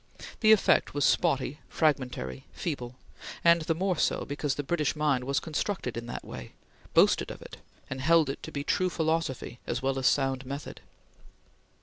The effect was spotty, fragmentary, feeble; and the more so because the British mind was constructed in that way boasted of it, and held it to be true philosophy as well as sound method.